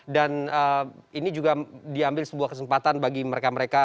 dan ini juga diambil sebuah kesempatan bagi mereka mereka